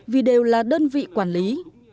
vì đều là đơn vị quản lý